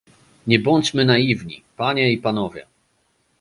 Nie bądźmy naiwni, panie i panowie